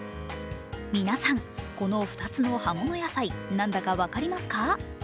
皆さん、この２つの葉物野菜、何だか分かりますか？